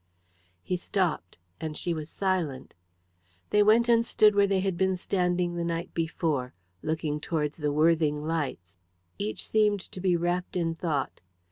He stopped, and she was silent. They went and stood where they had been standing the night before looking towards the Worthing lights. Each seemed to be wrapped in thought.